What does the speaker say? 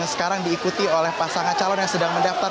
dan sekarang diikuti oleh pasangan calon yang sedang mendaftar